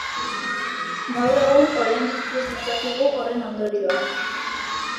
Gaur egun oraindik ikus ditzakegu horren ondorioak.